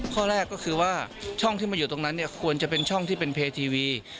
ข้อแรกก็คือว่าช่องที่มาอยู่ตรงนั้นเนี่ยควรจะเป็นช่องที่เป็นเพจทีวี